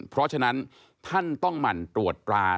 เพราะฉะนั้นท่านต้องหมั่นตรวจตรา